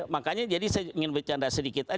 makanya jadi saya ingin bercanda sedikit